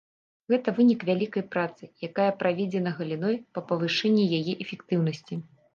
Гэта вынік вялікай працы, якая праведзена галіной па павышэнні яе эфектыўнасці.